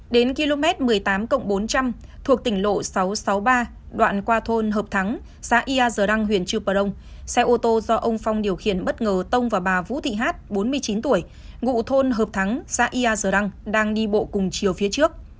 đến km một mươi tám bốn trăm linh thuộc tỉnh lộ sáu trăm sáu mươi ba đoạn qua thôn hợp thắng xã yà giờ đăng huyện trưu bờ đông xe ô tô do ông phong điều khiển bất ngờ tông và bà vũ thị hát bốn mươi chín tuổi ngụ thôn hợp thắng xã yà giờ đăng đang đi bộ cùng chiều phía trước